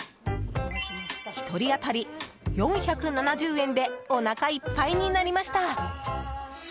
１人当たり４７０円でお腹いっぱいになりました。